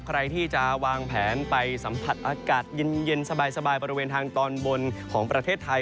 ใครที่จะวางแผนไปสัมผัสอากาศเย็นสบายบริเวณทางตอนบนของประเทศไทย